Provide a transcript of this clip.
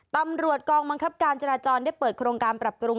ตำรวจกองบังคับการจราจรได้เปิดโครงการปรับปรุง